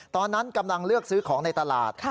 ตอนนั้นกำลังเลือกซื้อของในตลาด